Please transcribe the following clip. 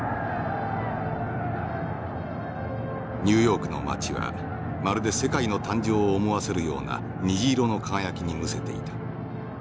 「ニューヨークの街はまるで世界の誕生を思わせるような虹色の輝きにむせていた。